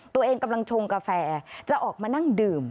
ตัวเองกำลังชงกาแฟจะออกมานั่งดื่ม